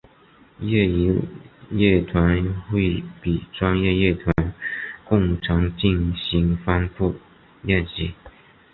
业余乐团会比专业乐团更常进行分部练习。